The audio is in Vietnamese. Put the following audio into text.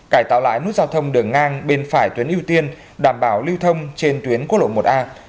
cải tạo lại nút giao thông đường ngang bên phải tuyến ưu tiên đảm bảo lưu thông trên xe gắn máy